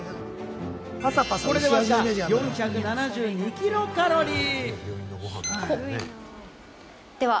これで４７２キロカロリー。